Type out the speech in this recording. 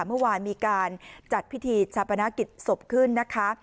เมื่อวานมีการจัดพิธีชาปนกิจศพขึ้นนะคะ